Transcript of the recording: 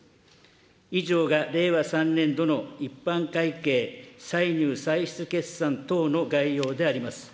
以上が令和３年度の一般会計歳入歳出決算等の概要であります。